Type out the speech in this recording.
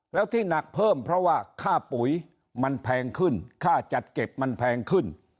แล้วที่หนักเพิ่มเพราะว่าค่าปุ๋ยมันแพงขึ้นค่าจัดเก็บมันแพงขึ้น